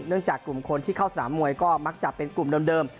จากกลุ่มคนที่เข้าสนามมวยก็มักจะเป็นกลุ่มเดิม